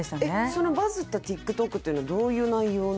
そのバズったＴｉｋＴｏｋっていうのはどういう内容の？